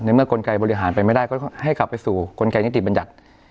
เมื่อกลไกบริหารไปไม่ได้ก็ให้กลับไปสู่กลไกนิติบัญญัติ